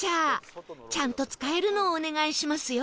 ちゃんと使えるのをお願いしますよ